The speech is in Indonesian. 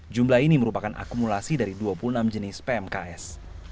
jumlah ini merupakan akumulasi dari dua puluh enam jenis pmks